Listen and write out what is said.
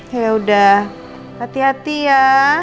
kayak udah hati hati ya